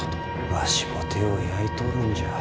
わしも手を焼いとるんじゃ。